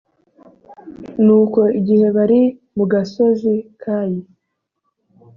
nuko igihe bari mu gasozi kayi